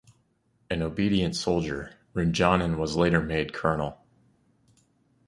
An obedient soldier, Runjanin was later made colonel.